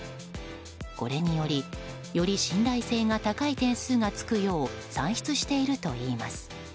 これによりより信頼性が高い点数がつくよう算出しているといいます。